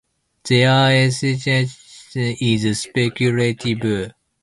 Their ethnicity is speculative.